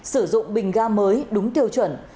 sử dụng bình ga mới đúng tiêu chuẩn